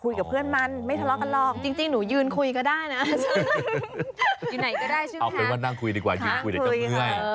เอาเป็นว่านั่งคุยดีกว่าคุยเดี๋ยวจะเมื่อย